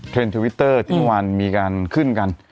เทรนด์ทวิตเตอร์ที่ทุกวันมีการขึ้นกัน